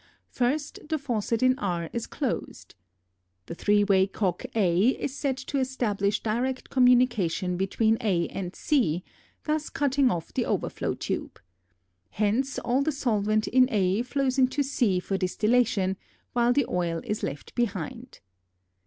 First the faucet in R is closed. The three way cock A is set to establish direct communication between A and C, thus cutting off the overflow tube. Hence all the solvent in A flows into C for distillation, while the oil is left behind.